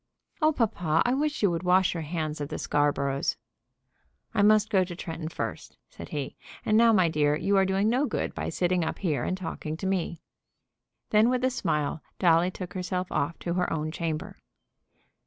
"Oh, papa, I wish you would wash your hands of the Scarboroughs." "I must go to Tretton first," said he. "And now, my dear, you are doing no good by sitting up here and talking to me." Then, with a smile, Dolly took herself off to her own chamber.